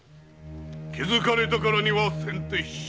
気付かれたからには先手必勝。